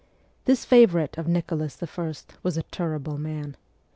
This favourite of Nicholas I. was a terrible man.